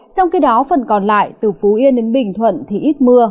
trong khi đó phần còn lại từ phú yên đến bình thuận thì ít mưa